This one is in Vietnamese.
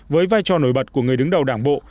với vai trò nổi bật của người đứng đầu đảng bộ